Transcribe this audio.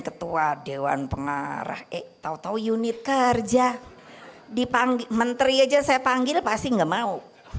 ketua dewan pengarah eh tau tau unit kerja dipanggil menteri aja saya panggil pasti nggak mau